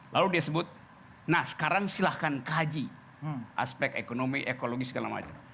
lalu dia sebut nah sekarang silahkan kaji aspek ekonomi ekologi segala macam